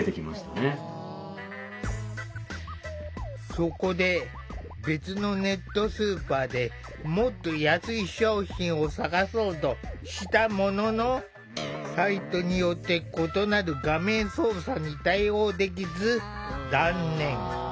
そこで、別のネットスーパーでもっと安い商品を探そうとしたもののサイトによって異なる画面操作に対応できず、断念。